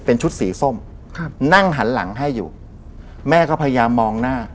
เป็นชุดสีส้มครับนั่งหันหลังให้อยู่แม่ก็พยายามมองหน้า